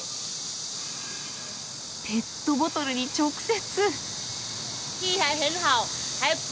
ペットボトルに直接！